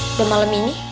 udah malem ini